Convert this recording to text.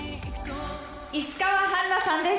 石川花さんです。